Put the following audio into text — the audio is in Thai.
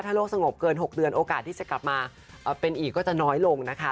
โรคสงบเกิน๖เดือนโอกาสที่จะกลับมาเป็นอีกก็จะน้อยลงนะคะ